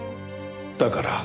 だから。